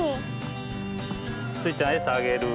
スイちゃんえさあげる？